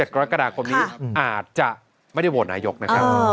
กรกฎาคมนี้อาจจะไม่ได้โหวตนายกนะครับ